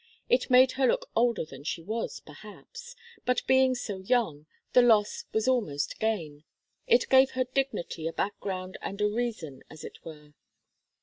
It made her look older than she was, perhaps, but being so young, the loss was almost gain. It gave her dignity a background and a reason, as it were.